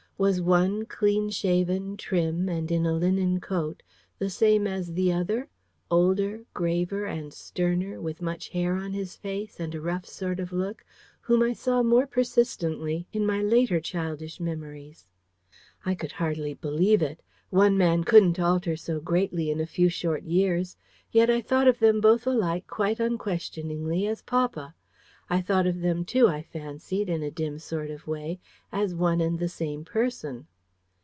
Was one, clean shaven, trim, and in a linen coat, the same as the other, older, graver, and sterner, with much hair on his face, and a rough sort of look, whom I saw more persistently in my later childish memories? I could hardly believe it. One man couldn't alter so greatly in a few short years. Yet I thought of them both alike quite unquestioningly as papa: I thought of them too, I fancied, in a dim sort of way, as one and the same person.